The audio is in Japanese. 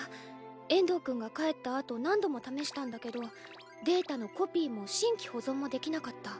遠藤くんが帰ったあと何度も試したんだけどデータのコピーも新規保存もできなかった。